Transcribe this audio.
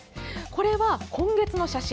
これは、今月の写真。